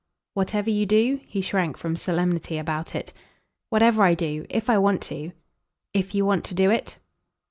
"Whatever you do?" He shrank from solemnity about it. "Whatever I do. If I want to." "If you want to do it?"